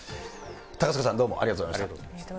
高塚さん、どうもありがとうございました。